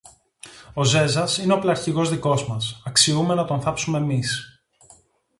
Ο Ζέζας είναι οπλαρχηγός δικός μας, αξιούμε να τον θάψουμε μεις